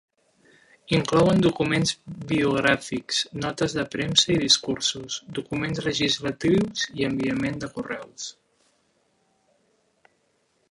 Inclouen documents biogràfics, notes de premsa i discursos, documents legislatius i enviament de correus.